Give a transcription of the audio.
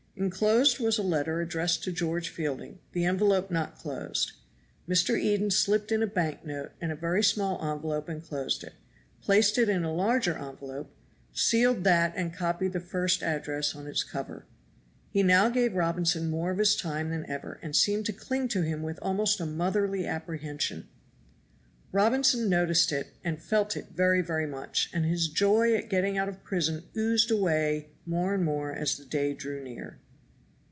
Inclosed was a letter addressed to George Fielding, the envelope not closed. Mr. Eden slipped in a banknote and a very small envelope and closed it, placed it in a larger envelope, sealed that and copied the first address on its cover. He now gave Robinson more of his time than ever and seemed to cling to him with almost a motherly apprehension. Robinson noticed it and felt it very, very much, and his joy at getting out of prison oozed away more and more as the day drew near.